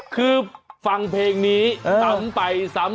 คือฟังเพลงนี้ซ้ำไปซ้ำ